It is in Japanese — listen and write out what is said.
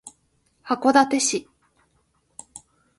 函館市